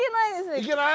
いけます！